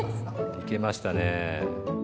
いけましたね。